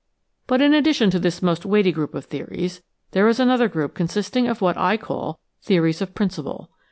But in addition to this most weighty group of theories, there is another group consisting of what I call theories of principle.